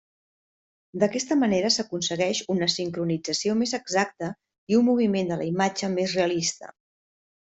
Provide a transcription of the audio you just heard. D'aquesta manera s'aconsegueix una sincronització més exacta i un moviment de la imatge més realista.